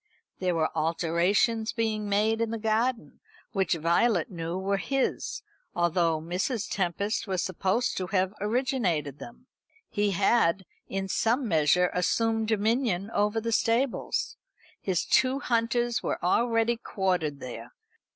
There were alterations being made in the garden which Violet knew were his, although Mrs. Tempest was supposed to have originated them. He had, in some measure, assumed dominion over the stables. His two hunters were already quartered there.